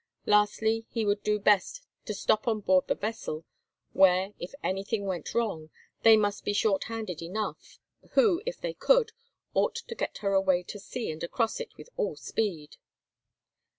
Lastly, he would do best to stop on board the vessel, where, if anything went wrong, they must be short handed enough, who, if they could, ought to get her away to sea and across it with all speed.